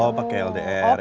oh pakai ldr